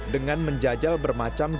dengan menjajal bermacam gigas